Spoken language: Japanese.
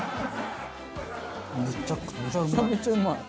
めちゃくちゃうまい。